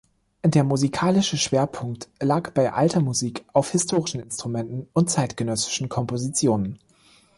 Der musikalische Schwerpunkt lag bei Alter Musik auf historischen Instrumenten und zeitgenössische Kompositionen.